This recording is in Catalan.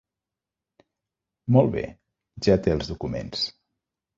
Molt bé, ja té els documents.